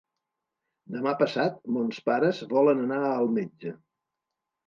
Demà passat mons pares volen anar al metge.